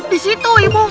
di situ ibu